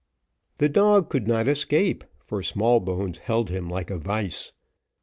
The dog could not escape, for Smallbones held him like a vice.